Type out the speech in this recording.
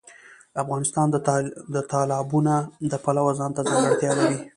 افغانستان د تالابونه د پلوه ځانته ځانګړتیا لري.